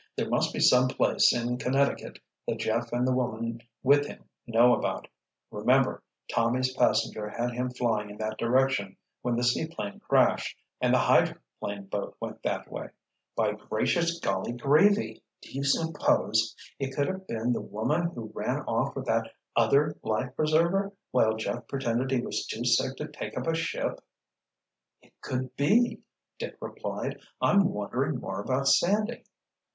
"There must be some place in Connecticut that Jeff and the woman with him know about—remember, Tommy's passenger had him flying in that direction when the seaplane crashed, and the hydroplane boat went that way—by gracious golly gravy! Do you suppose it could have been the woman who ran off with that other life preserver, while Jeff pretended he was too sick to take up a ship?" "It could be," Dick replied. "I'm wondering more about Sandy."